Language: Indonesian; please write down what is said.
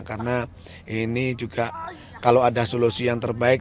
karena ini juga kalau ada solusi yang terbaik